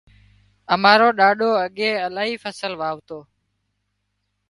امارو ڏاڏو اڳي الاهي فصل واوتو